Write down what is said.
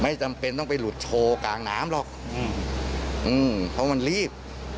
จำเป็นต้องไปหลุดโชว์กลางน้ำหรอกอืมเพราะมันรีบ